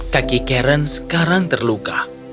kaki karen sekarang terluka